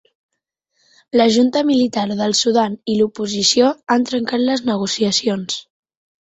La junta militar del Sudan i l'oposició han trencat les negociacions